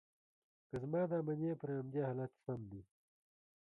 که زما دا منې، پر همدې حالت سم دي.